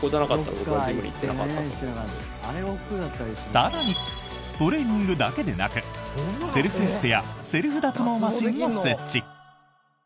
更に、トレーニングだけでなくセルフエステやセルフ脱毛マシンも設置。